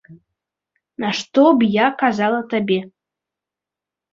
Нашто б я казала табе.